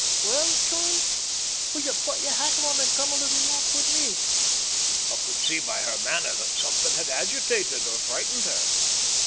"Well, John, will you put your hat on and come a little walk with me?" I could see by her manner that something had agitated or frightened her.